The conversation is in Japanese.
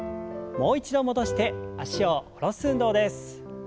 もう一度戻して脚を下ろす運動です。